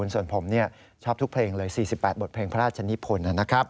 ส่วนผมชอบทุกเพลงเลย๔๘บทเพลงพระราชนิพลนะครับ